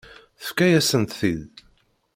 Tefka-yasent-t-id.